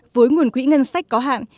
với nguồn quỹ ngân sách có hạn